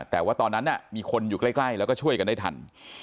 แต่ว่าตอนนั้นมีคนอยู่ใกล้แล้วก็ช่วยกันได้ทัน